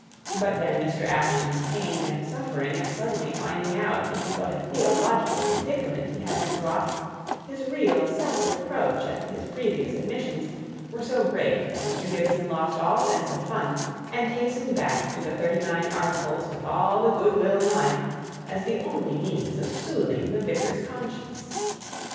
But then Mr. Ashton's pain and suffering at suddenly finding out into what a theological predicament he had been brought, his real self reproach at his previous admissions, were so great that Mr. Gibson lost all sense of fun, and hastened back to the Thirty nine Articles with all the good will in life, as the only means of soothing the vicar's conscience.